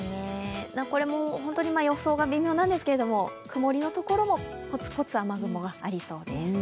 これも本当に予想が微妙なんですが、曇りのところもポツポツ雨雲がありそうです。